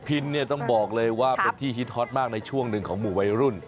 ินเนี่ยต้องบอกเลยว่าเป็นที่ฮิตฮอตมากในช่วงหนึ่งของหมู่วัยรุ่น